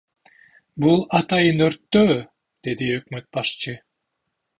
Бул атайын өрттөө, — деди өкмөт башчы.